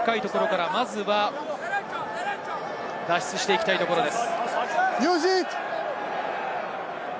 自陣深いところからまずは脱出していきたいところです。